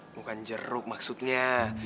eh bukan jeruk maksudnya